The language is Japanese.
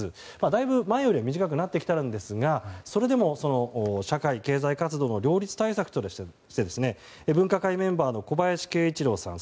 だいぶ、前よりは短くなってきたんですがそれでも社会経済活動の両立対策として分科会メンバーの小林慶一郎さん